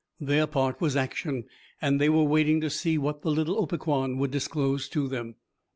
Their part was action, and they were waiting to see what the little Opequan would disclose to them.